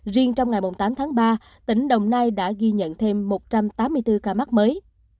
riêng trong ngày tám tháng ba tỉnh đồng nai đã ghi nhận thêm một trăm tám mươi bốn ca mắc mới